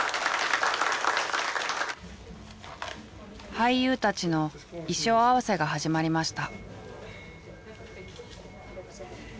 俳優たちの衣装合わせが始まりました。